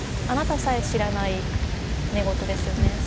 「あなた」さえ知らない寝言ですよね。